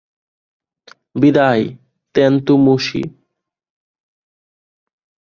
বিদায়, তেনতোমুশি।